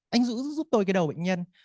anh giúp tôi cái đầu bệnh nhân